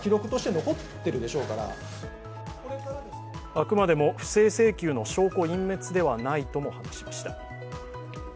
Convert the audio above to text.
あくまでも不正請求の証拠隠滅ではないとも話しました。